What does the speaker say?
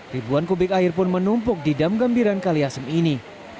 ribuan kubik air pun menumpuk di dam gambiran kaliasem ini